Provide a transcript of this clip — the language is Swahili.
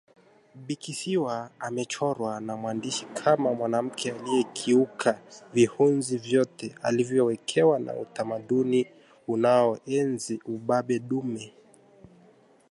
Bikisiwa amechorwa na mwandishi kama mwanamke aliyekiuka vihunzi vyote alivyowekewa na utamaduni unaoenzi ubabe dume